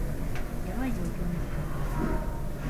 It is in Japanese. ヤバい状況には変わりない